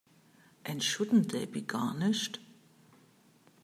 And shouldn't they be garnished?